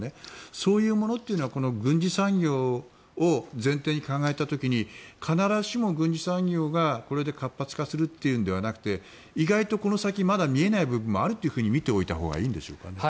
そういうものというのはこの軍事産業を前提に考えた時に必ずしも軍需産業がこれで活発化するというのではなくて意外とこの先まだ見えない部分もあると見ておいたほうがいいんでしょうか。